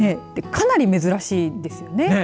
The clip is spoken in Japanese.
かなり珍しいですよね。